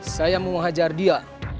saya mau hajar dia